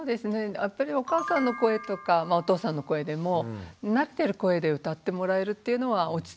やっぱりお母さんの声とかまあお父さんの声でも慣れてる声で歌ってもらえるっていうのは落ち着きますし安心ですよね。